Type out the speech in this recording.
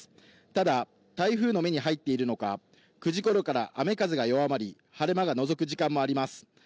ただ、台風の目に入っているのか、９時頃から雨風が弱まり、晴れ間がのぞく時間もあります。